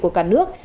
của cả nước